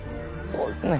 そうですね。